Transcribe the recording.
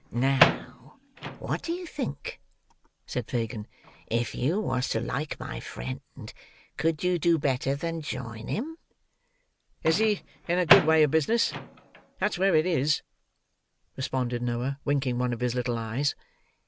"Now, what do you think?" said Fagin. "If you was to like my friend, could you do better than join him?" "Is he in a good way of business; that's where it is!" responded Noah, winking one of his little eyes.